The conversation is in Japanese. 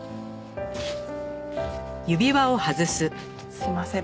すいません。